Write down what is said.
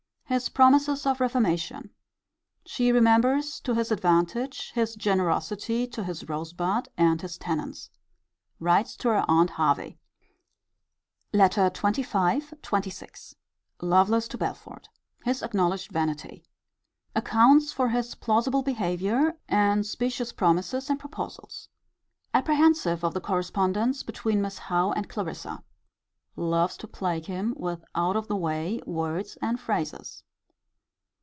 His promises of reformation. She remembers, to his advantage, his generosity to his Rosebud and his tenants. Writes to her aunt Hervey. LETTER XXV. XXVI. Lovelace to Belford. His acknowledged vanity. Accounts for his plausible behaviour, and specious promises and proposals. Apprehensive of the correspondence between Miss Howe and Clarissa. Loves to plague him with out of the way words and phrases.